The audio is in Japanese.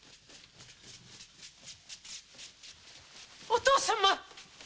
お父様！